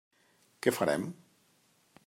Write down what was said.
Què farem?